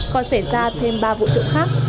còn xảy ra thêm ba vụ trộm khác